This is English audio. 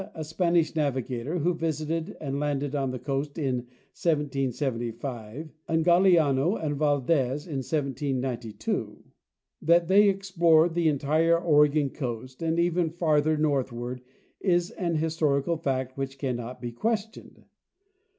a Spanish navigator, visited and landed on the coast in 1775, and Galiano and Valdes in 1792; that they explored the entire Oregon coast, and even farthernorthward, is an historical fact which cannot be questioned.